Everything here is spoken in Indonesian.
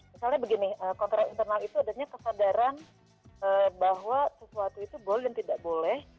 misalnya begini kontrol internal itu adanya kesadaran bahwa sesuatu itu boleh dan tidak boleh